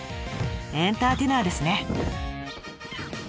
エンターテイナーですね。